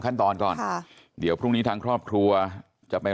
ขั้นตอนก่อนค่ะเดี๋ยวพรุ่งนี้ทางครอบครัวจะไป